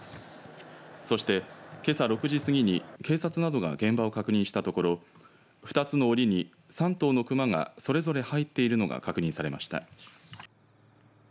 そして、けさ６時過ぎに警察などが現場を確認したところ２つのおりに、３頭の熊がそれぞれ入っているのが確認されました。